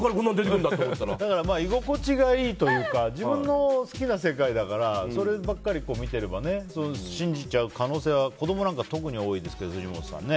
居心地がいいというか自分が好きな世界だからそればっかり見てればね信じちゃう可能性は子供なんか特に多いと思うんですけど藤本さん。